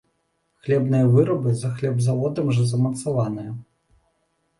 Хлебныя вырабы, за хлебазаводам жа замацаваныя.